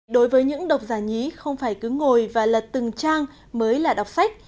đối với những độc giả nhí không phải cứ ngồi và lật từng trang mới là đọc sách